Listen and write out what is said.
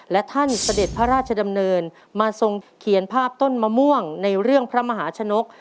และท่านเสด็จพระราชดำเนินมาทรงเขียนภาพต้นมะม่วงในเรื่องพระมหาชนก